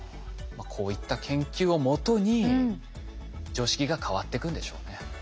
こういった研究をもとに常識が変わっていくんでしょうね。